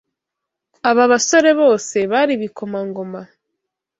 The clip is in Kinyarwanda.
Aba basore bose bari ibikomangoma,